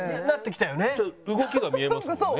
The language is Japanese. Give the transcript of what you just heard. なってきたよね。